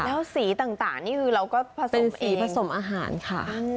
แล้วสีต่างนี่คือเราก็ผสมสีผสมอาหารค่ะ